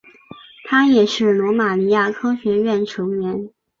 他也是罗马尼亚科学院成员。